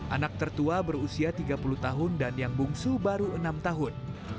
anak tertua berusia tiga puluh tahun dan yang bungsu baru enam tahun